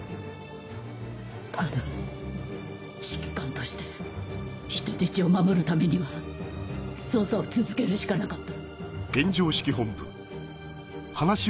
ただ指揮官として人質を守るためには捜査を続けるしかなかった。